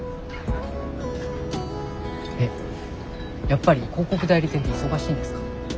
やっぱり広告代理店って忙しいんですか？